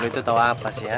lu itu tau apa sih ya